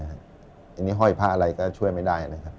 อันนี้ห้อยพระอะไรก็ช่วยไม่ได้นะครับ